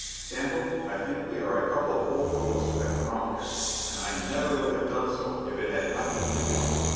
Sample, I think we are a couple of old fools to have come out here, and I never would have done so if it had not been for you."